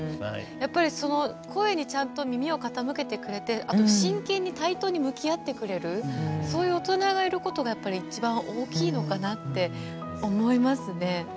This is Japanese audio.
やっぱり、その声にちゃんと耳を傾けてくれてあと真剣に対等に向き合ってくれるそういう大人がいることがやっぱり一番大きいのかなって思いますね。